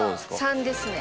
３ですね。